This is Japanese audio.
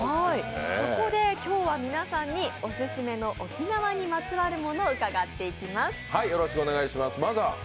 今日は皆さんにオススメの沖縄にまつわるものを伺っていきます。